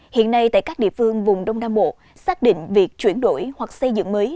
hiện nay tại các địa phương vùng đông nam bộ xác định việc chuyển đổi hoặc xây dựng mới